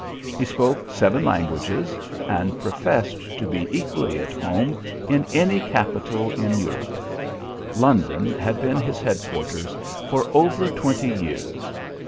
He spoke seven languages and professed to be equally at home in any capital in Europe. London had been his headquarters for over twenty years.